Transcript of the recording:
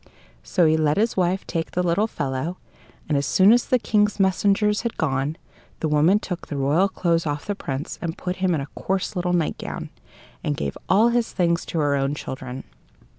So he let his wife take the little fellow, and as soon as the King's messengers had gone, the woman took the royal clothes off the Prince and put on him a coarse little nightgown, and gave all his things to her own children.